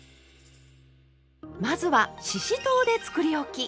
まずはししとうでつくりおき！